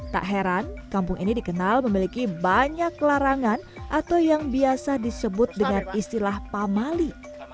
tak heran kampung ini dikenal memiliki banyak larangan atau yang biasa disebut dengan istilah pamali